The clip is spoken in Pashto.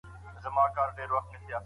محیط مو د مثبتو خلګو لپاره چمتو کړئ.